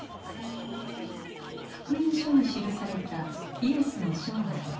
「福音書」に記されたイエスの生涯。